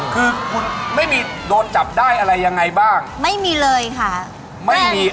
เค้าก็จะลบข้อความทันที